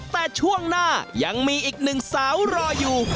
แต่ช่วงหน้ายังมีอีกหนึ่งสาวรออยู่